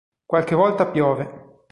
Qualche volta piove.